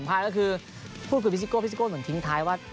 พูดพูดปีซิโกส่วนทิ้งท้ายว่า